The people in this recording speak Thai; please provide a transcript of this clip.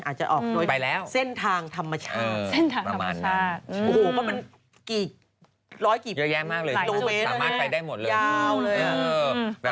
ช่วงนี้น้ำเยอะอย่างที่ป่ะ